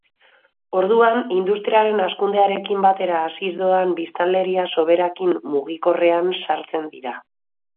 Orduan industriaren hazkundearekin batera haziz doan biztanleriasoberakin mugikorrean sartzen dira....